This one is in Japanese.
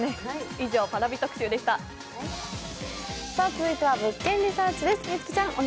続いては「物件リサーチ」です。